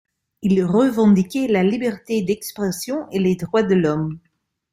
Il revendiquait la liberté d'expression et les droits de l'homme.